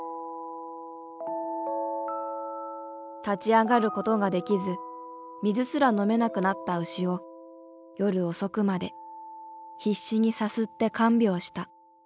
立ち上がることができず水すら飲めなくなった牛を夜遅くまで必死にさすって看病した。